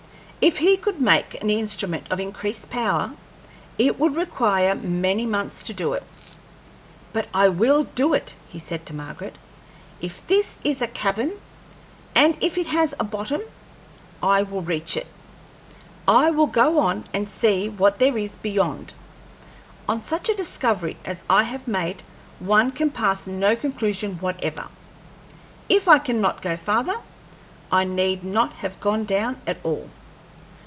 If he could make an instrument of increased power, it would require many months to do it. "But I will do it," said he to Margaret. "If this is a cavern, and if it has a bottom, I will reach it. I will go on and see what there is beyond. On such a discovery as I have made one can pass no conclusion whatever. If I cannot go farther, I need not have gone down at all."